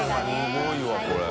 すごいわこれ。